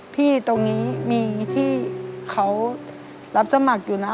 พี่ตรงนี้มีที่เขารับสมัครอยู่นะ